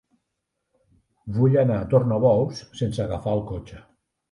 Vull anar a Tornabous sense agafar el cotxe.